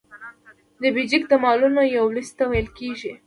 بیجک د مالونو یو لیست ته ویل کیږي.